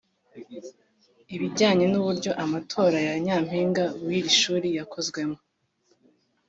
Ibijyanye n’uburyo amatora ya Nyampinga w'iri shuri yakozwemo